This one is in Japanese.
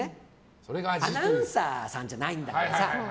アナウンサーさんじゃないんだからさ